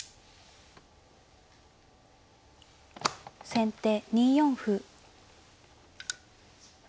先手２四歩。